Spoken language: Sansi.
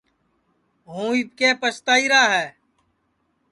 ہُوں اِٻکے پستائیرا ہے